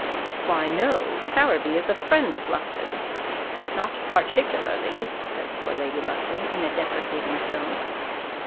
"Why, no: Sowerby is a friend of Lufton's " "Not particularly," said poor Lady Lufton, in a deprecating tone.